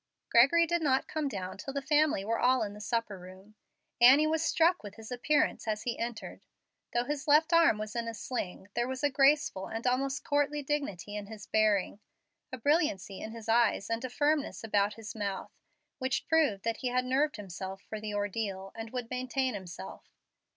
Gregory did not come down till the family were all in the supper room. Annie was struck with his appearance as he entered. Though his left arm was in a sling, there was a graceful and almost courtly dignity in his bearing, a brilliancy in his eyes and a firmness, about his mouth, which proved that he had nerved himself for the ordeal and would maintain himself.